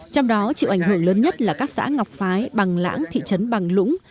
trong đó chịu ảnh hưởng lớn nhất là các xã ngọc phái bằng lãng thị trấn bằng lũng